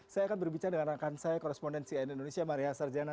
saya akan berbicara dengan rakan saya korrespondensi ain indonesia maria sarjana